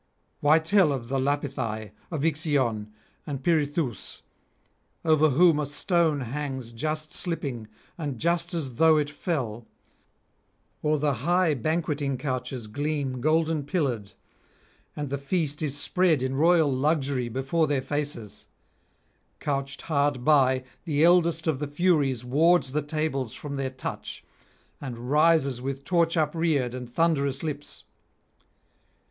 Why tell of the Lapithae, of Ixion and Pirithoüs? over whom a stone hangs just slipping and just as though it fell; or the high banqueting couches gleam golden pillared, and the feast is spread in royal luxury before their faces; couched hard by, the eldest of the Furies wards the tables from their touch and rises with torch upreared and thunderous lips.